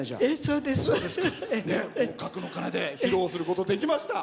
合格の鐘で披露することできました。